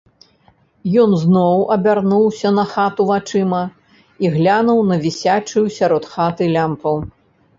Ён зноў абярнуўся на хату вачыма і глянуў на вісячую сярод хаты лямпу.